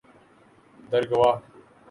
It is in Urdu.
درگوا